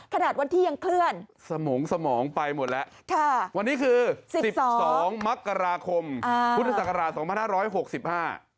ขนาดวันที่ยังเคลื่อนสมองไปหมดแล้ววันนี้คือ๑๒มักราคมพุทธศักราช๒๕๖๕